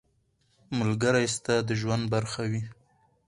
ملګری ستا د ژوند برخه وي.